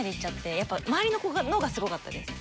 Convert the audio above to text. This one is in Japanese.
やっぱ周りの子の方がすごかったです。